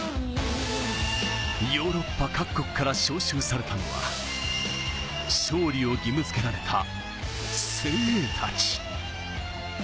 ヨーロッパ各国から招集されたのは、勝利を義務付けられた精鋭たち。